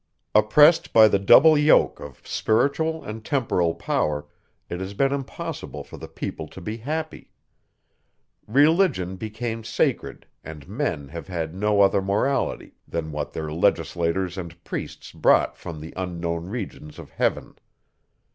Oppressed by the double yoke of spiritual and temporal power, it has been impossible for the people to be happy. Religion became sacred, and men have had no other Morality, than what their legislators and priests brought from the unknown regions of heaven.